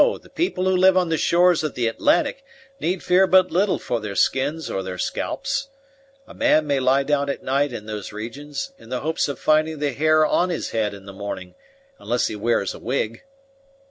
the people who live on the shores of the Atlantic need fear but little for their skins or their scalps. A man may lie down at night in those regions, in the hope of finding the hair on his head in the morning, unless he wears a wig."